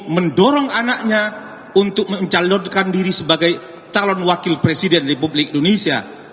mendorong anaknya untuk mencalonkan diri sebagai calon wakil presiden republik indonesia